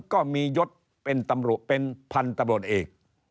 ก็มียศเป็นพันธุ์ตำรวจเอก